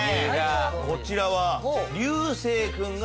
こちらは。